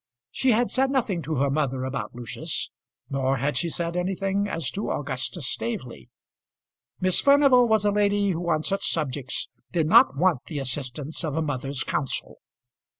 She had said nothing to her mother about Lucius, nor had she said anything as to Augustus Staveley. Miss Furnival was a lady who on such subjects did not want the assistance of a mother's counsel.